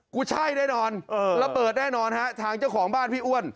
ใช่แน่นอนระเบิดแน่นอนฮะทางเจ้าของบ้านพี่อ้วน